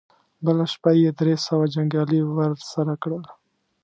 بله شپه يې درې سوه جنګيالي ور سره کړل.